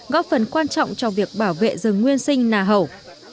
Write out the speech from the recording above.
góp phần quan trọng trong việc bảo vệ rừng nguyên sinh nà hầu